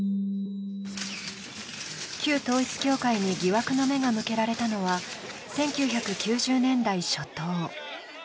旧統一教会に疑惑の目が向けられたのは１９９０年代初頭。